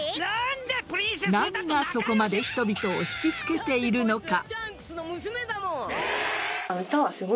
何がそこまで人々を引きつけているのか。